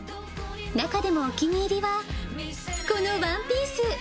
中でもお気に入りは、このワンピース。